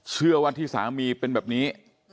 เชื่อว่าที่สามีเป็นแบบนี้